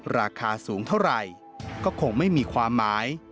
ราคาสูงเท่าไหร่ก็คงไม่มีความหมาย